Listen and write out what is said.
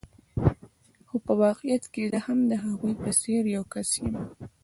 خو په واقعیت کې زه هم د هغوی په څېر یو کس یم.